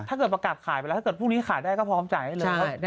ถ้าเกิดประกาศขายไปแล้วถ้าเกิดพรุ่งนี้ขายได้ก็พร้อมจ่ายให้เลย